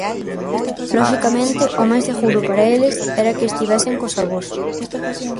Loxicamente o máis seguro para eles era que estivesen cos avós.